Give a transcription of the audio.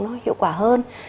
nó hiệu quả hơn